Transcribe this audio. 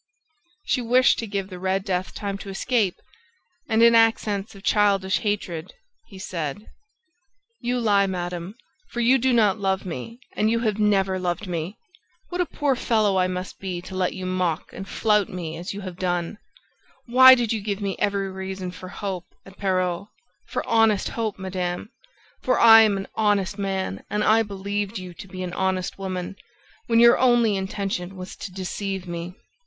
... She wished to give the Red Death time to escape ... And, in accents of childish hatred, he said: "You lie, madam, for you do not love me and you have never loved me! What a poor fellow I must be to let you mock and flout me as you have done! Why did you give me every reason for hope, at Perros ... for honest hope, madam, for I am an honest man and I believed you to be an honest woman, when your only intention was to deceive me!